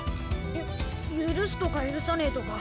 ゆ許すとか許さねぇとか。